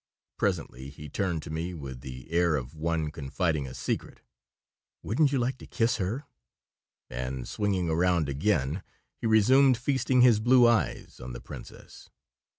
Presently he turned to me with the air of one confiding a secret. "Wouldn't you like to kiss her?" And, swinging around again, he resumed feasting his blue eyes on the princess.